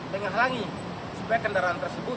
menghalangi supaya kendaraan tersebut